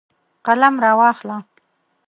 قلم راواخله.